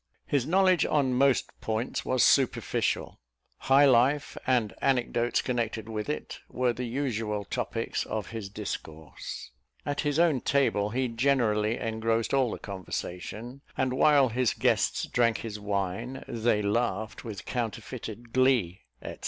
His knowledge on most points was superficial high life, and anecdotes connected with it, were the usual topics of his discourse; at his own table he generally engrossed all the conversation: and while his guests drank his wine, "they laughed with counterfeited glee," &c.